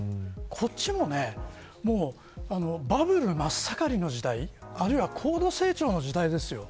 こっちもバブル真っ盛りの時代あるいは高度成長の時代ですよ。